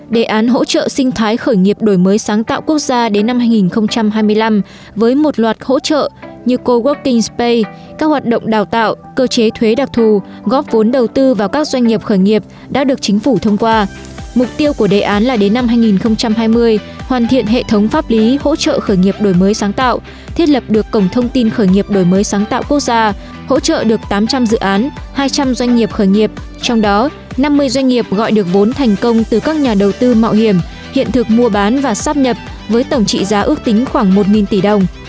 năm mươi doanh nghiệp gọi được vốn thành công từ các nhà đầu tư mạo hiểm hiện thực mua bán và sắp nhập với tổng trị giá ước tính khoảng một tỷ đồng